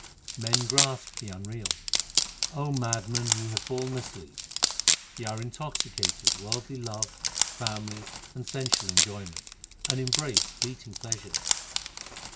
Men grasp the unreal : madmen, ye have fallen asleep. Ye are intoxicated with worldly love, families, and sensual enjoyments, and embrace fleeting pleasures.